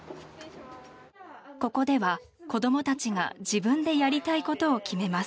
ここでは子供たちが自分でやりたいことを決めます。